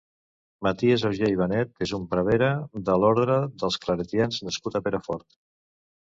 Matías Augé i Benet és un prevere de l'orde dels claretians nascut a Perafort.